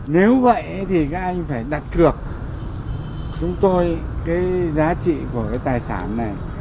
nếu vậy thì các anh phải đặt cược chúng tôi cái giá trị của cái tài sản này